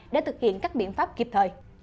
để thực hiện các biện pháp kịp thời